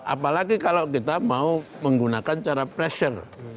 apalagi kalau kita mau menggunakan cara pressure